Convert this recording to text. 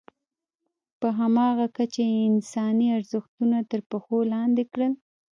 په همغه کچه یې انساني ارزښتونه تر پښو لاندې کړل.